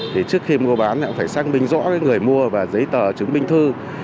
thì trước khi mua bán cũng phải xác minh rõ người mua và giấy tờ chứng minh thư